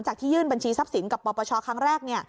ที่ยื่นบัญชีทรัพย์สินกับปปชครั้งแรก